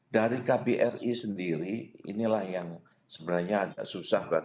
dari kbri sendiri inilah yang sebenarnya agak susah